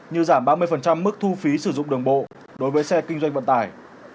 như giảm ba mươi mức thu phí sử dụng đường bộ đối với xe kinh doanh vận tải